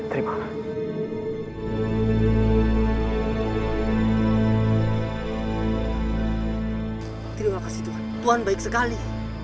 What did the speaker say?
terima kasih tuhan tuhan baik sekali